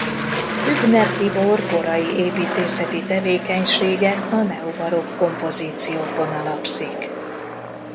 Hübner Tibor korai építészeti tevékenysége a neobarokk kompozíciókon alapszik.